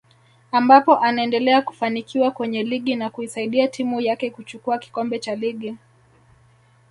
ambapo anaendelea kufanikiwa kwenye ligi na kusaidia timu yake kuchukua kikombe cha ligi